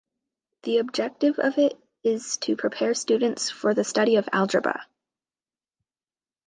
The objective of it is to prepare students for the study of algebra.